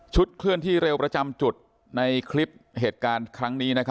เคลื่อนที่เร็วประจำจุดในคลิปเหตุการณ์ครั้งนี้